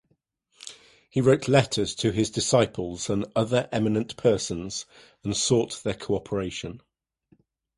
He wrote letters to his disciples and other eminent persons and sought their co-operation.